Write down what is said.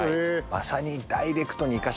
まさに。